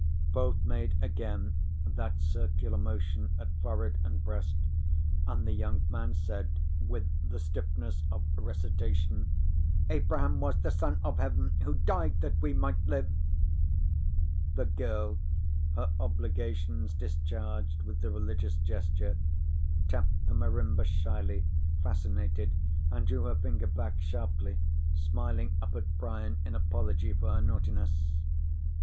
Both made again that circular motion at forehead and breast, and the young man said with the stiffness of recitation: "Abraham was the Son of Heaven, who died that we might live." The girl, her obligations discharged with the religious gesture, tapped the marimba shyly, fascinated, and drew her finger back sharply, smiling up at Brian in apology for her naughtiness.